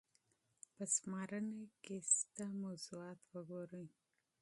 په فهرست کې موجود موضوعات وګورئ.